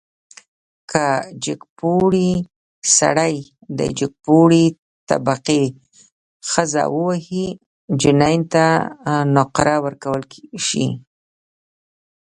که جګپوړی سړی د جګپوړي طبقې ښځه ووهي، جنین ته نقره ورکړل شي.